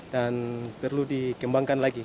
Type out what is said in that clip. dan perlu dikembangkan lagi